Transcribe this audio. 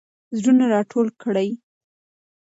زړونه راټول کړئ.